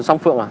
sông phượng à